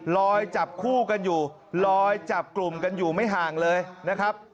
จับคู่กันอยู่ลอยจับกลุ่มกันอยู่ไม่ห่างเลยนะครับ